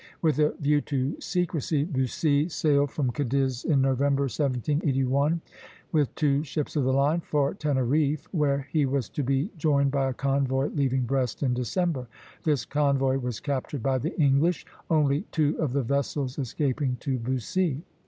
With a view to secrecy, Bussy sailed from Cadiz in November, 1781, with two ships of the line, for Teneriffe, where he was to be joined by a convoy leaving Brest in December. This convoy was captured by the English, only two of the vessels escaping to Bussy.